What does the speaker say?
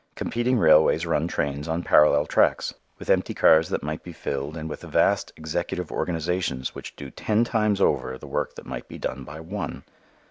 Competing railways run trains on parallel tracks, with empty cars that might be filled and with vast executive organizations which do ten times over the work that might be done by one.